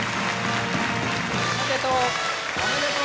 おめでとう。